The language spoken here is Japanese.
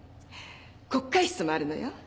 告解室もあるのよ。